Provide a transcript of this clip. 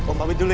om pamit dulu ya